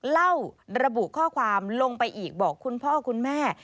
ระบุข้อความลงไปอีกบอกคุณพ่อคุณแม่